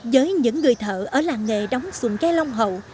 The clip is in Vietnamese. giới những người thợ ở làng nghề đóng xuồng ghe long hậu